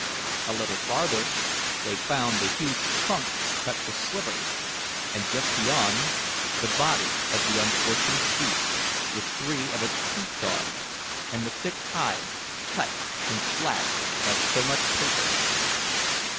A little farther they found the huge trunk cut to slivers, and, just beyond, the body of the unfortunate beast with three of its feet gone, and the thick hide cut and slashed like so much paper.